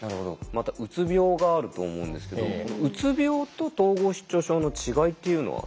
またうつ病があると思うんですけどうつ病と統合失調症の違いっていうのは？